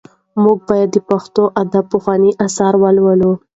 موږ باید د پښتو ادب پخواني اثار ولولو.